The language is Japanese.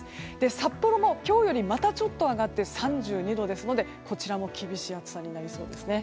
札幌も今日よりまたちょっと上がって３２度ですのでこちらも厳しい暑さになりそうです。